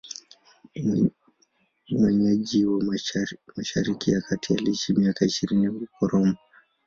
Mwenyeji wa Mashariki ya Kati, aliishi miaka ishirini huko Roma.